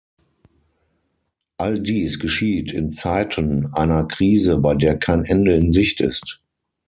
All dies geschieht in Zeiten einer Krise, bei der kein Ende in Sicht ist.